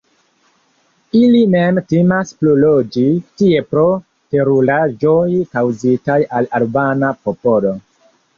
Ili mem timas pluloĝi tie pro teruraĵoj kaŭzitaj al albana popolo.